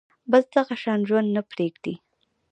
بس دغه شان ژوند نه پرېږدي